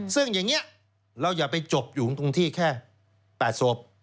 ซึ่งอย่างนี้เราอย่าไปจบอยู่ตรงที่แค่๘ศพ